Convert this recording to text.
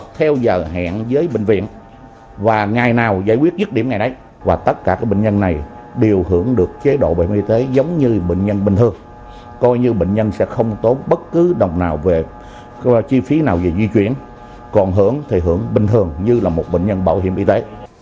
chị phí nào về di chuyển còn hưởng thì hưởng bình thường như là một bệnh nhân bảo hiểm y tế